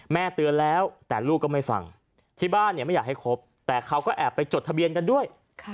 เตือนแล้วแต่ลูกก็ไม่ฟังที่บ้านเนี่ยไม่อยากให้คบแต่เขาก็แอบไปจดทะเบียนกันด้วย